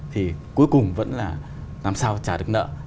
thì cuối cùng vẫn là làm sao trả được nợ